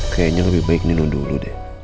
kayanya lebih baik nino dulu deh